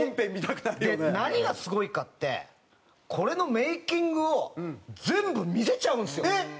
何がすごいかってこれのメイキングを全部見せちゃうんですよ！